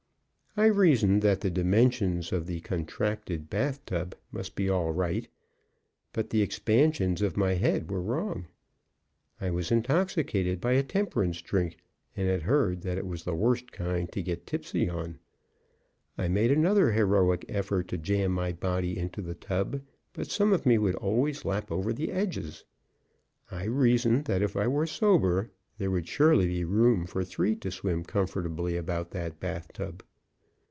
I reasoned that the dimensions of the contracted bath tub must be all right, but the expansions of my head were wrong; I was intoxicated by a temperance drink, and had heard that it was the worst kind to get tipsy on. I made another heroic effort to jam my body into the tub, but some of me would always lap over the edges. I reasoned that, if I were sober, there would surely be room for three to swim comfortably about that bathtub.